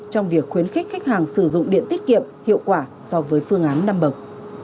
trong việc khuyến khích khách hàng sử dụng điện tiết kiệm hiệu quả so với phương án năm bậc